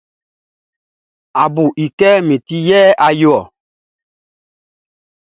A bu i kɛ min ti yɛ a yo ɔ.